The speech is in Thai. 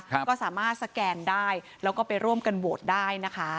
ก็สามารถสแกนได้แล้วก็ไปร่วมกันโหวตได้นะคะ